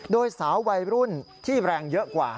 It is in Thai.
โดยสาววัยรุ่นที่แรงเยอะกว่า